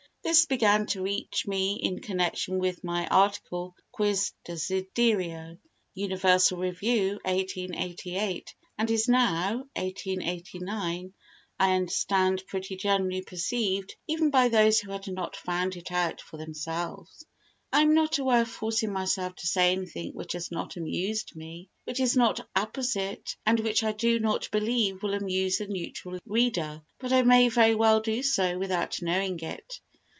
This began to reach me in connection with my article "Quis Desiderio ...?" [Universal Review, 1888] and is now, I understand, pretty generally perceived even by those who had not found it out for themselves. I am not aware of forcing myself to say anything which has not amused me, which is not apposite and which I do not believe will amuse a neutral reader, but I may very well do so without knowing it.